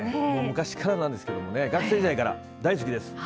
昔からなんですけど学生時代から大好きです。